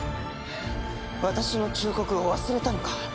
私の忠告を忘れたのか？